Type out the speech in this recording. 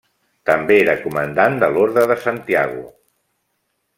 També era comandant de l'orde de Santiago.